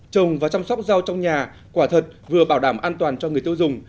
trồng và chăm sóc rau trong nhà quả thật vừa bảo đảm an toàn cho người tiêu dùng